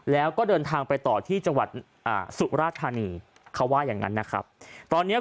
แล้วก็เดินทางไปต่อที่จังหวัดสุราธานี